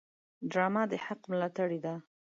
ډرامه د حق ملاتړې ده